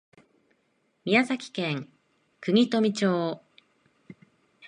宮崎県国富町